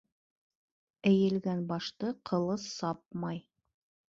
Эйелгән башты ҡылыс сапмай.